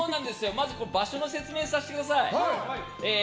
まず場所の説明させてください。